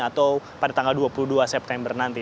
atau pada tanggal dua puluh dua september nanti